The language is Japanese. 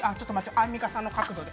アンミカさんの角度で。